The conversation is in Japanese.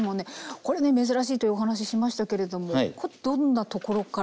これね珍しいというお話しましたけれどもこれどんなところから？